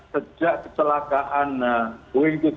sejak ketelakaan boeing tujuh ratus tiga puluh tujuh seratus di hawaii